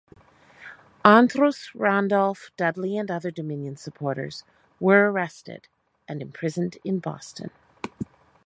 Andros, Randolph, Dudley, and other dominion supporters were arrested and imprisoned in Boston.